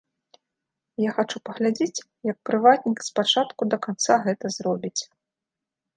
Я хачу паглядзець, як прыватнік з пачатку да канца гэта зробіць.